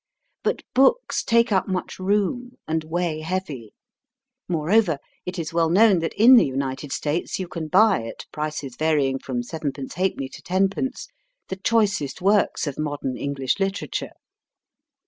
But books take up much room, and weigh heavy. Moreover, it is well known that in the United States you can buy, at prices varying from sevenpence halfpenny to ten pence, the choicest works of modern English literature.